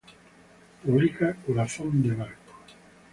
Publica "Corazón de barco".